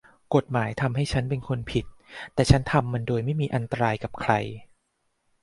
กฎหมายทำให้ฉันเป็นคนผิดแต่ฉันทำมันโดยไม่มีอันตรายกับใคร